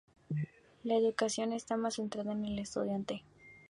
La educación está más centrada en el estudiante.